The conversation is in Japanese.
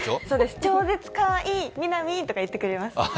超絶かわいい、美波！とか言ってくれます。